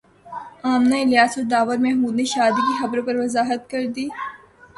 منہ الیاس اور داور محمود نے شادی کی خبروں پر وضاحت کردی